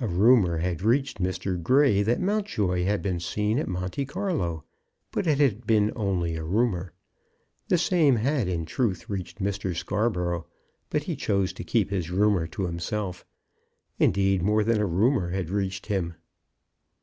A rumor, had reached Mr. Grey that Mountjoy had been seen at Monte Carlo, but it had been only a rumor. The same had, in truth, reached Mr. Scarborough, but he chose to keep his rumor to himself. Indeed, more than a rumor had reached him.